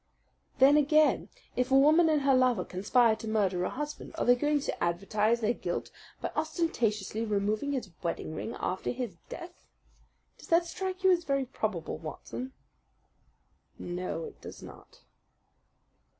"Then again, if a woman and her lover conspire to murder a husband, are they going to advertise their guilt by ostentatiously removing his wedding ring after his death? Does that strike you as very probable, Watson?" "No, it does not."